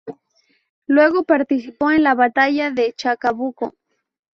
Luego participó en la batalla de Chacabuco.